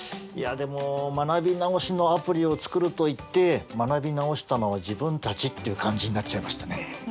いやでも学び直しのアプリを作るといって学び直したのは自分たちっていう感じになっちゃいましたね。